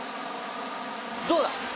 どうだ？